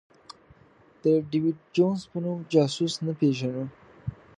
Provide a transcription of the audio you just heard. د ډېویډ جونز په نوم جاسوس نه پېژنو.